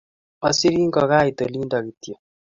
Asirin kongait olindo kityo